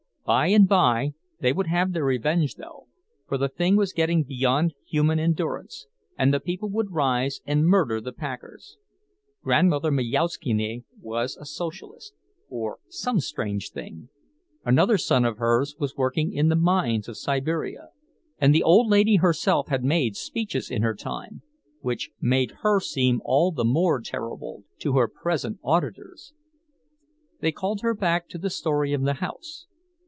By and by they would have their revenge, though, for the thing was getting beyond human endurance, and the people would rise and murder the packers. Grandmother Majauszkiene was a socialist, or some such strange thing; another son of hers was working in the mines of Siberia, and the old lady herself had made speeches in her time—which made her seem all the more terrible to her present auditors. They called her back to the story of the house.